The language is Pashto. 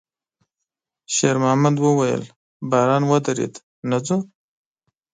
شېرمحمد وويل: «باران ودرېد، نه ځو؟»